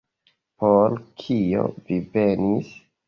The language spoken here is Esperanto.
Por kio vi venis?